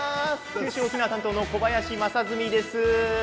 九州沖縄担当の小林将純です。